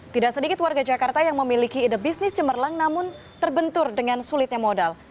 tidak sedikit warga jakarta yang memiliki ide bisnis cemerlang namun terbentur dengan sulitnya modal